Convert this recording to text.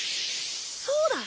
そうだ！